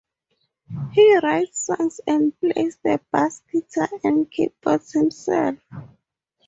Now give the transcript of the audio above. He writes songs and plays the bass, guitar, and keyboards himself.